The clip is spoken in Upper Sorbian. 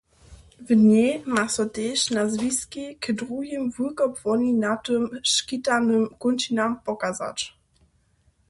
W njej ma so tež na zwiski k druhim wulkopłoninatym škitanym kónčinam pokazać.